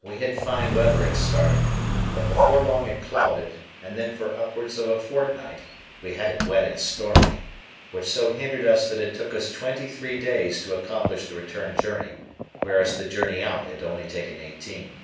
We had fine weather at starting; but before long it clouded, and then for upwards of a fortnight we had it wet and stormy, which so hindered us that it took us twenty three days to accomplish the return journey, whereas the journey out had only taken eighteen.